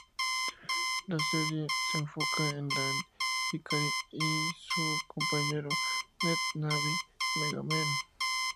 La serie se enfoca en Lan Hikari y su compañero Net Navi, MegaMan.